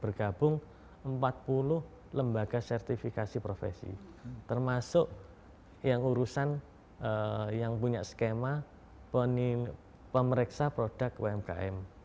bergabung empat puluh lembaga sertifikasi profesi termasuk yang urusan yang punya skema pemeriksa produk umkm